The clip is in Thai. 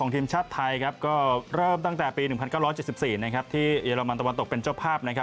ทีมชาติไทยก็เริ่มตั้งแต่ปี๑๙๗๔ที่เยอรมันตะวันตกเป็นเจ้าภาพ